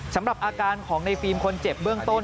สำหรับอาการของในฟิล์มคนเจ็บเบื้องต้น